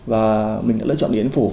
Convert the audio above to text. và mình đã lựa chọn điện phủ